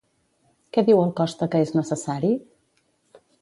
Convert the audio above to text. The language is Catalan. Què diu el Costa que és necessari?